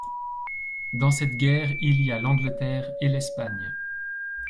Dans cette guerre il y a l’Angleterre et l’Espagne.